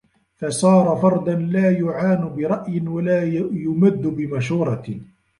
فَصَارَ فَرْدًا لَا يُعَانُ بِرَأْيٍ وَلَا يُمَدُّ بِمَشُورَةٍ